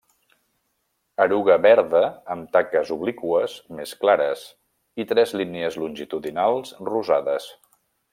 Eruga verda amb taques obliqües més clares i tres línies longitudinals rosades.